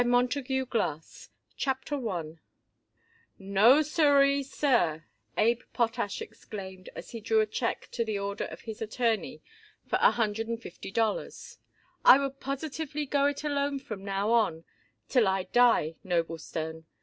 Potash & Perlmutter CHAPTER I "No, siree, sir," Abe Potash exclaimed as he drew a check to the order of his attorney for a hundred and fifty dollars, "I would positively go it alone from now on till I die, Noblestone.